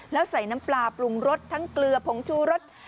แล้วใส่น้ำปลาปรุงรสทั้งเกลือผงชูรส